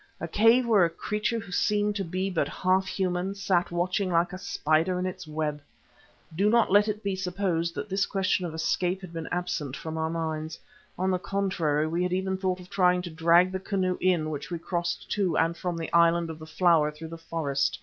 A cave where a creature who seemed to be but half human, sat watching like a spider in its web. Do not let it be supposed that this question of escape had been absent from our minds. On the contrary, we had even thought of trying to drag the canoe in which we crossed to and from the island of the Flower through the forest.